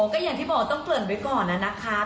อ๋อก็อย่างที่บอกต้องเกลิ่นไปก่อนนะครับ